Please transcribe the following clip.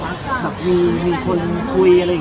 บ๊วยแล้วจริงหนูมีแฟนอยู่หรือเปล่า